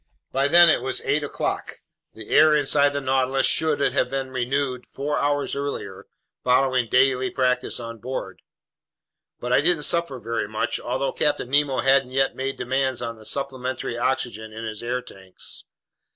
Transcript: By then it was eight o'clock. The air inside the Nautilus should have been renewed four hours earlier, following daily practice on board. But I didn't suffer very much, although Captain Nemo hadn't yet made demands on the supplementary oxygen in his air tanks.